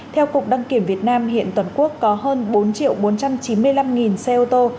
theo cục đăng kiểm việt nam hiện toàn quốc có hơn bốn bốn trăm chín mươi năm xe ô tô